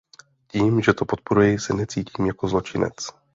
Tím, že to podporuji se necítím jako zločinec.